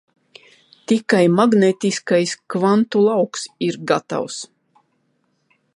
Tikai magnētiskais kvantu lauks ir gatavs.